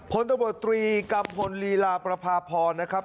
ผลตระบบ๓กรรมศลีราประภาพรนะครับ